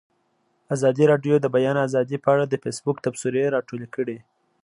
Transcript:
ازادي راډیو د د بیان آزادي په اړه د فیسبوک تبصرې راټولې کړي.